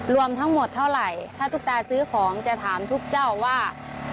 รวมทั้งหมดเท่าไหร่ถ้าตุ๊กตาซื้อของจะถามทุกเจ้าว่า